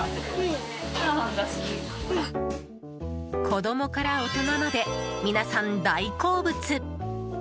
子供から大人まで皆さん大好物。